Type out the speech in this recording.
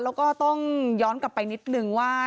แล้วก็ต้องย้อนกลับไปนิดนึงว่า